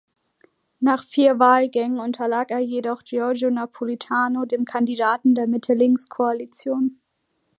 Nach vier Wahlgängen unterlag er jedoch Giorgio Napolitano, dem Kandidaten der Mitte-links-Koalition.